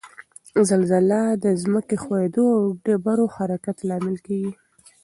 زلزله د ځمک ښویدو او ډبرو حرکت لامل کیږي